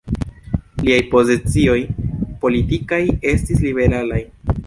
Liaj pozicioj politikaj estis liberalaj.